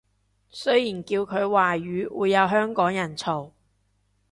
雖然叫佢華語會有香港人嘈